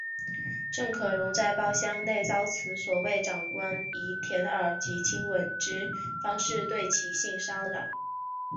郑可荣在包厢内遭此所谓长官以舔耳及亲吻之方式对其性骚扰。